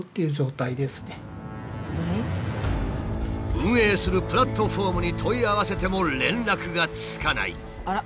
運営するプラットフォームに問い合わせても連絡がつかない。